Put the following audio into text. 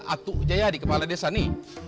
atuk jaya di kepala desa ini